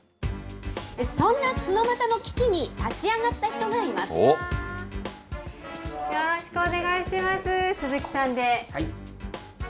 そんなツノマタの危機に立ち上がった人がいます。